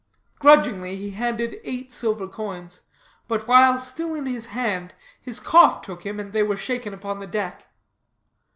Grudgingly he handed eight silver coins, but while still in his hand, his cough took him and they were shaken upon the deck.